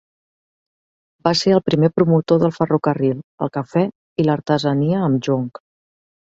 Va ser el primer promotor del ferrocarril, el cafè i l'artesania amb jonc.